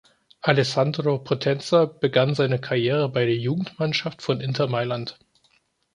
Alessandro Potenza begann seine Karriere bei der Jugendmannschaft von Inter Mailand.